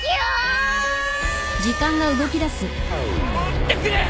ってくれ。